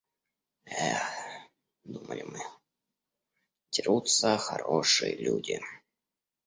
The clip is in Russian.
Эх, думали мы, дерутся хорошие люди.